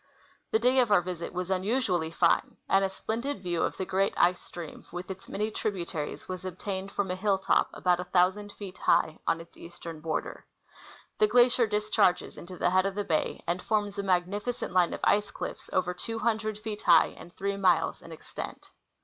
The day of our visit TJie Mulr Glacier. 79 was unusually fine, itnd a splendid view of the great ice stream with its many tributaries was obtained from a hill top about a thousand feet high, on its eastern border. The glacier discharges into the head of the bay and forins a magnificent line of ice cliffs over two hundred feet high and three miles in extent.